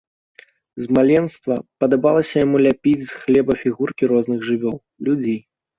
З маленства падабалася яму ляпіць з хлеба фігуркі розных жывёл, людзей.